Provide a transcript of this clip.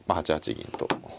８八銀と。